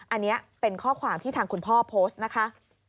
อันนี้เป็นข้อความที่ทางคุณพ่อโพสต์นะคะ